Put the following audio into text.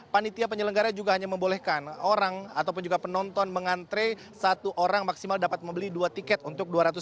panitia penyelenggara juga hanya membolehkan orang ataupun juga penonton mengantre satu orang maksimal dapat membeli dua tiket untuk dua ratus lima puluh